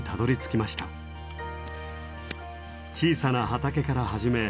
小さな畑から始め